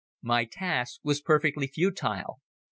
My task was perfectly futile.